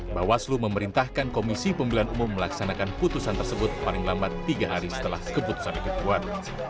bawaslu memerintahkan komisi pemilihan umum melaksanakan putusan tersebut paling lambat tiga hari setelah keputusan itu kuat